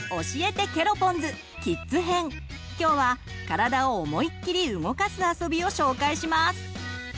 今日は体を思いっきり動かすあそびを紹介します。